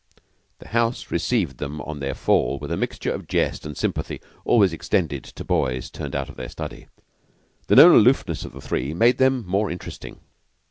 The house received them on their fall with the mixture of jest and sympathy always extended to boys turned out of their study. The known aloofness of the three made them more interesting.